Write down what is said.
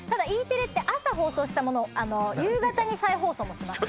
テレって朝放送したものを夕方に再放送もします